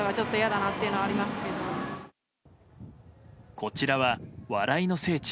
こちらは笑いの聖地